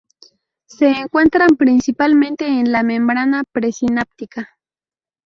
Se encuentran principalmente en la membrana presináptica.